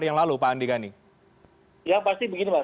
yang pasti begini pak